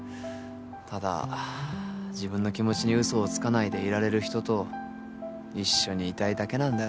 ただ自分の気持ちに嘘をつかないでいられる人と一緒にいたいだけなんだよな。